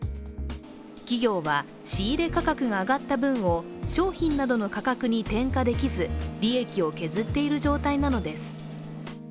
企業は仕入価格が上がった分を商品などの価格に転嫁できず利益を削っている状態なのです。